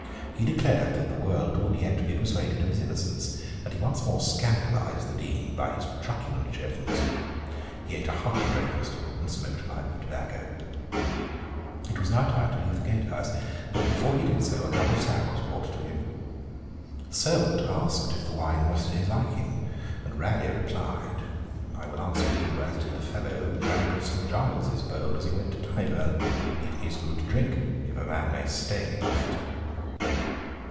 He declared that the world would yet be persuaded of his innocence, and he once more scandalised the Dean by his truculent cheerfulness. He ate a hearty breakfast, and smoked a pipe of tobacco. It was now time to leave the Gate House; but before he did so, a cup of sack was brought to him. The servant asked if the wine was to his liking, and Raleigh replied, 'I will answer you as did the fellow who drank of St. Giles' bowl as he went to Tyburn, "It is good drink, if a man might stay by it."'